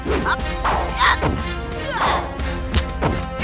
umat umg yang di marvelous